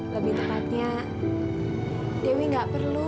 lebih tepatnya dewi gak perlu